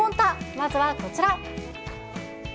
まずはこちら。